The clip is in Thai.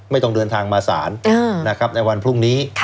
ไม่ต้องเดินทางมาศาลในวันพรุ่งนี้